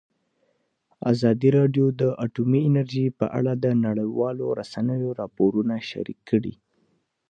ازادي راډیو د اټومي انرژي په اړه د نړیوالو رسنیو راپورونه شریک کړي.